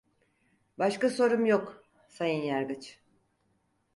Başka sorum yok, Sayın Yargıç.